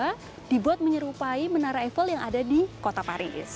menara evel ini juga dibuat menyerupai menara evel yang ada di kota paris